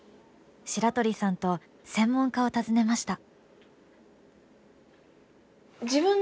白鳥さんと専門家を訪ねました。